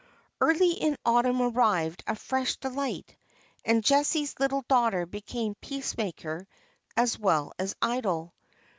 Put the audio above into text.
Early in autumn arrived a fresh delight; and Jessie's little daughter became peacemaker as well as idol.